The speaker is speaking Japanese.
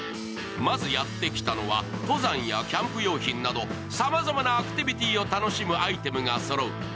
まずやってきたのは、登山やキャンプ用品などさまざまなアクティビティーを楽しむアイテムがそろう